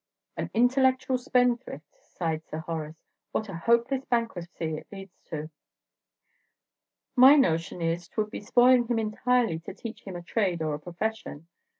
"An intellectual spendthrift," sighed Sir Horace "What a hopeless bankruptcy it leads to!" "My notion is 'twould be spoiling him entirely to teach him a trade or a profession.